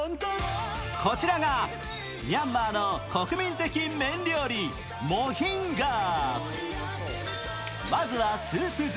こちらがミャンマーの国民的麺料理、モヒンガー。